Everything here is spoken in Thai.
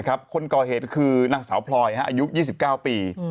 คนก่อเหตุคือนางสาวพลอยอายุ๒๙ปี